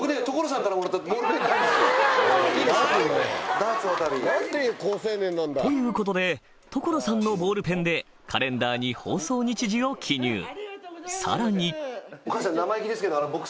いいですかダーツの旅。ということで所さんのボールペンでカレンダーに放送日時を記入さらにお母さん。